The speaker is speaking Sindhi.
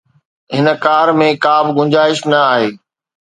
هن ڪار ۾ ڪا به گنجائش نه آهي